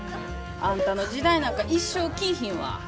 あんたの時代なんか一生来ぃひんわ。